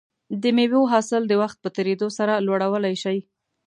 د مېوو حاصل د وخت په تېریدو سره لوړولی شي.